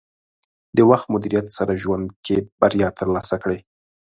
د وخت مدیریت سره ژوند کې بریا ترلاسه کړئ.